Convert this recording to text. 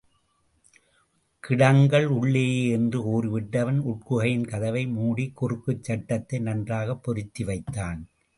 கிடங்கள் உள்ளேயே என்று கூறிவிட்டு, அவன் உட்குகையின் கதவை மூடிக் குறுக்குச் சட்டத்தை நன்றாகப் பொருத்தி வைத்தான்.